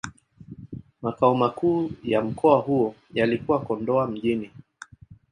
Makao makuu ya mkoa huo yalikuwa Kondoa Mjini.